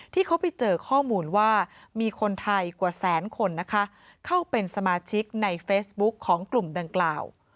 ที่เขาไปเจอข้อมูลว่ามีคนไทยกว่าแสนคนนะคะเข้าเป็นสมาชิกในเฟซบุ๊คของกลุ่มดังกล่าว